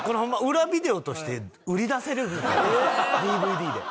裏ビデオとして売り出せるＤＶＤで。